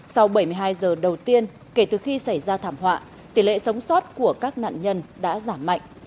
sau bảy mươi hai giờ đầu tiên kể từ khi xảy ra thảm họa tỷ lệ sống sót của các nạn nhân đã giảm mạnh